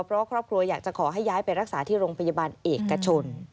เพราะครอบครัวอยากจะขอให้ย้ายไปรักษาที่โรงพยาบาลเอกชน